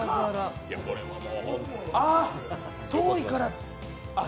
あっ、遠いから。